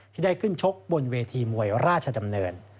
ที่ได้ขึ้นชกบนเวทีมวยราชดำเนิน